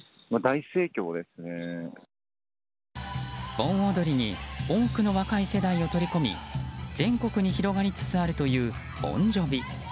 盆踊りに多くの若い世代を取り込み全国に広がりつつあるという盆ジョヴィ。